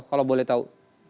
kalau boleh tahu